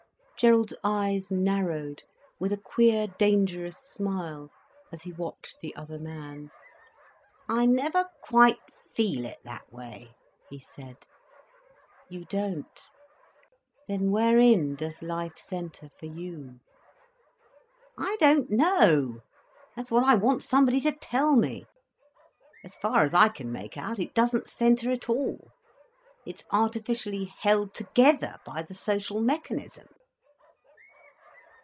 Gerald's eyes narrowed with a queer dangerous smile as he watched the other man. "I never quite feel it that way," he said. "You don't? Then wherein does life centre, for you?" "I don't know—that's what I want somebody to tell me. As far as I can make out, it doesn't centre at all. It is artificially held together by the social mechanism."